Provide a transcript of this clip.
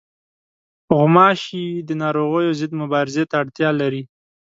غوماشې د ناروغیو ضد مبارزې ته اړتیا لري.